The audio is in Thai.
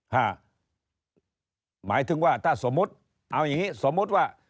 หมายถึงว่าถ้าสมมุติเอาอย่างงี้สมมุติว่า